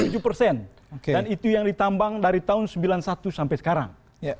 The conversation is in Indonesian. dan itu yang ditambang dari tahun seribu sembilan ratus sembilan puluh satu sampai sekarang